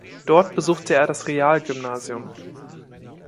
Dort besuchte er das Realgymnasium.